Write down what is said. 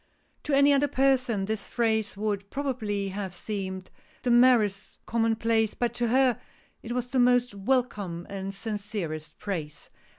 'To any other person this phrase would probably have seemed the merest commonplace, but to her, it was the most welcome and sincerest praise.